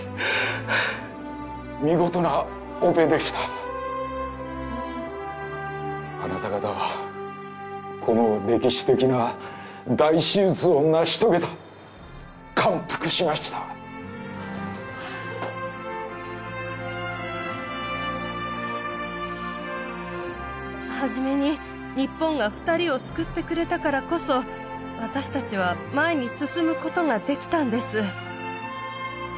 見事なオペでしたあなた方はこの歴史的な大手術を成し遂げた感服しました初めに日本が２人を救ってくれたからこそ私たちは前に進むことができたんです